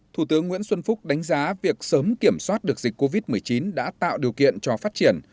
thủ tướng nguyễn xuân phúc đánh giá việc sớm kiểm soát được dịch covid một mươi chín đã tạo điều kiện cho phát triển